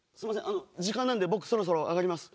あの時間なんで僕そろそろ上がります。